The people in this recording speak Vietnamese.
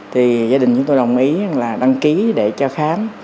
thì gia đình chúng tôi đồng ý là đăng ký để cho khám